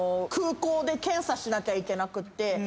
空港で検査しなきゃいけなくって。